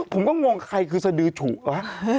ผมก็งงใครคือสดือฉุวะ